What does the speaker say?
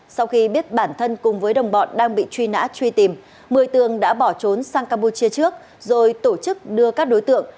sau khi biết bản thân cùng với đồng bọn đang bị truy nã truy tìm mười tường đã bỏ trốn sang campuchia trước rồi tổ chức đưa các đối tượng